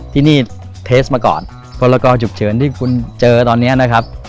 ที่นี่เทสมาก่อนพลกฉุกเฉินที่คุณเจอตอนนี้นะครับ